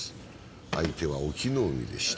相手は隠岐の海でした。